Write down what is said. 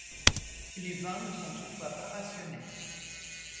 Les vins ne sont toutefois pas rationnés.